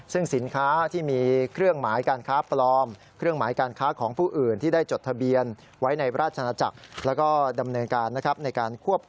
ซึ่งสินค้าที่มีเครื่องหมายการค้าปลอมเครื่องหมายการค้าของผู้อื่นที่ได้จดทะเบียนไว้ในราชนาจักร